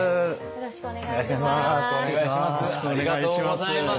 よろしくお願いします。